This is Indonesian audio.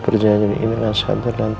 terima kasih banyak subsequent